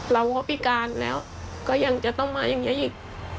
เราก็พิการแล้วก็ยังจะต้องมาอย่างนี้อีก